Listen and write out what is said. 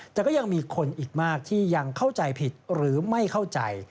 แต่ก็ยังมีคนอีกมากที่ยังเข้าใจผิดหรือไม่เข้าใจ